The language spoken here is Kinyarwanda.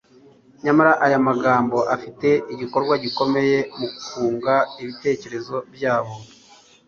nyamara ayo magambo afite igikorwa gikomeye mu kuoenga ibitekcrezo byabo.